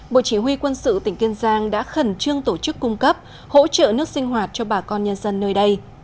bộ chỉ huy quân sự tỉnh kiên giang đã khẩn trương tổ chức cung cấp hỗ trợ nước sinh hoạt cho bà con nhân dân nơi đây